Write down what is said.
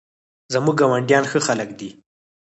زموږ ګاونډیان ښه خلک دي